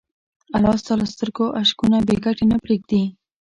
الله ستا له سترګو اشکونه بېګټې نه پرېږدي.